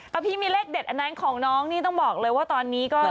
เอาพี่มีเลขเด็ดอันนั้นของน้องนี่ต้องบอกเลยว่าตอนนี้ก็